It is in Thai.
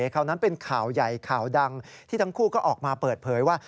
คราวนั้นเป็นข่าวใหญ่ข่าวดังที่ทั้งคู่ก็ออกมาเปิดเผยว่า